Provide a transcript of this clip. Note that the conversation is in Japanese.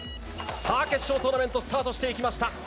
さあ、決勝トーナメント、スタートしていきました。